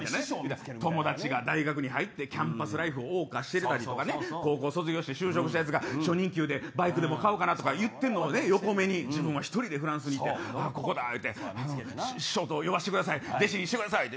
友達が大学に入ってキャンパスライフを謳歌してたり高校を卒業して就職したやつが初任給でバイク買おうかなと言ってるのも横目に自分は１人でフランスに行って師匠と呼ばせてください弟子にしてくださいと。